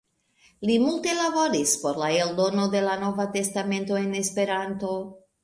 Li multe laboris por la eldono de la Nova testamento en Esperanto.